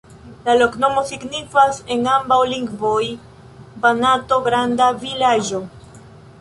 La loknomo signifas en ambaŭ lingvoj: Banato-granda-vilaĝo.